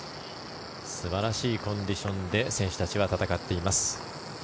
素晴らしいコンディションで選手たちは戦っています。